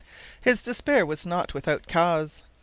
His despair was not without cause.